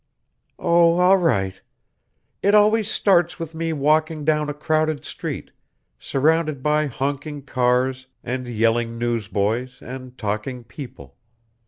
"Oh, all right. It always starts with me walking down a crowded street, surrounded by honking cars and yelling newsboys and talking people.